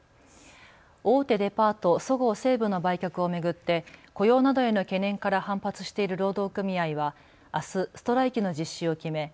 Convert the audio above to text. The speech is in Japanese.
大手デパート、そごう・西武の売却を巡って雇用などへの懸念から反発している労働組合はあすストライキの実施を決め